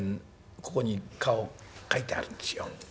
ここに顔描いてあるんですよ」。